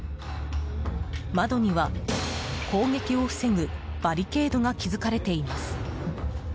窓には攻撃を防ぐバリケードが築かれています。